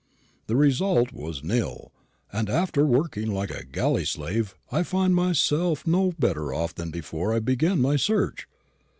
The result was nil; and after working like a galley slave I found myself no better off than before I began my search.